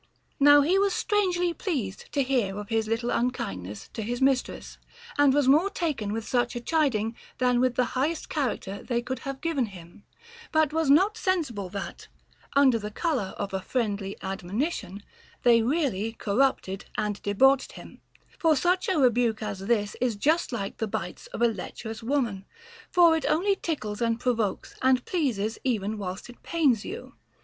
t Now he Avas strangely pleased to hear of his little un kindness to his mistress, and was more taken with such a chiding than with the highest character they could have given him ; but was not sensible that, under the color of * From the Myrmidons of Aeschylus, Frag. 131. t Odyss. X. 32S). 128 HOW TO KNOW A FLATTERER a friendly admonition, they really corrupted and debauched him. For such a rebuke as this is just like the bites of a lecherous woman, for it only tickles and provokes, and pleases even whilst it pains you.